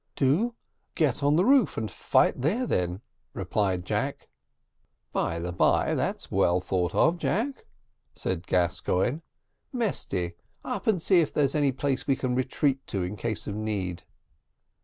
"Do? get on the roof and fight there, then," replied Jack. "By the bye, that's well thought of, Jack," said Gascoigne. "Mesty, up and see if there is any place we can retreat to in case of need."